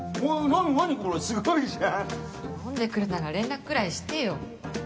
飲んでくるなら連絡くらいしてよ。